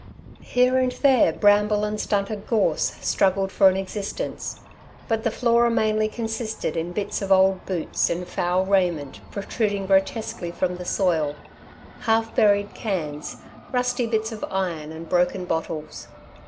Here and there bramble and stunted gorse struggled for an existence; but the flora mainly consisted in bits of old boots and foul raiment protruding grotesquely from the soil, half buried cans, rusty bits of iron, and broken bottles.